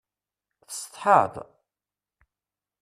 Tessetḥaḍ?